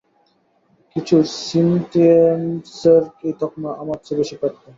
কিছু সিনথিয়েন্টসের এই তকমা আমার চেয়ে বেশি প্রাপ্য।